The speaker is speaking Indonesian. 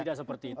tidak seperti itu